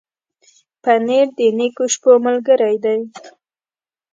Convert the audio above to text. پنېر د نېکو شپو ملګری دی.